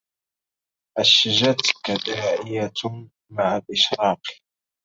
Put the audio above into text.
أشجتك داعية مع الإشراق